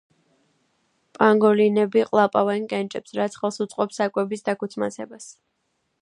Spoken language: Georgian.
პანგოლინები ყლაპავენ კენჭებს, რაც ხელს უწყობს საკვების დაქუცმაცებას.